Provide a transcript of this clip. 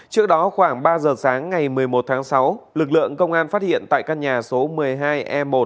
trước đó khoảng ba giờ sáng ngày một mươi một tháng sáu lực lượng công an phát hiện tại căn nhà số một mươi hai e một